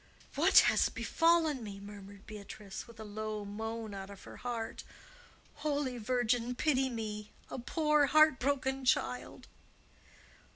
"What has befallen me?" murmured Beatrice, with a low moan out of her heart. "Holy Virgin, pity me, a poor heart broken child!"